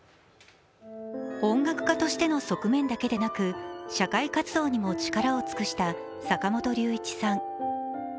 音楽家としての側面だけでなく社会活動にも力を尽くした坂本龍一さん。